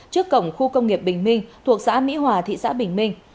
trước cổng khu công nghiệp bình minh thuộc xã mỹ hòa thị xã bình minh